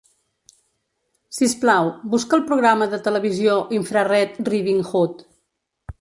Sisplau, busca el programa de TV Infrared Riding Hood.